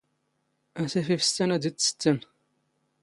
ⴰⵙⵉⴼ ⵉⴼⵙⵜⴰⵏ ⴰⴷ ⵉⵜⵜⵙⵜⵜⴰⵏ